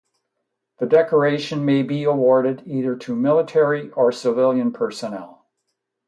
The decoration may be awarded either to military or civilian personnel.